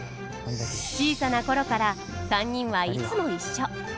小さな頃から３人はいつも一緒。